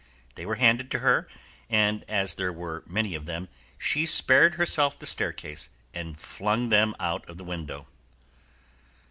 They were handed to her, and as there were many of them, she spared herself the staircase, and flung them down out of the window.